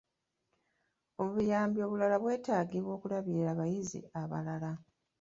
Obuyambi obulala bwetaagibwa okulabirira abayizi abalala.